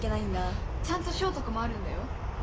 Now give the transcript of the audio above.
ちゃんと賞とかもあるんだよ。